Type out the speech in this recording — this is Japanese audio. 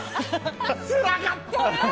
つらかった。